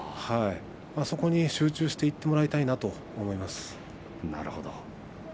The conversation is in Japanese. そこに集中していってもらいたいと思います。